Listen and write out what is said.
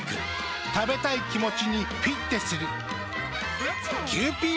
食べたい気持ちにフィッテする。